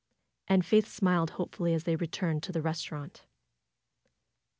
And Faith smiled hopefully as they returned to the restaurant.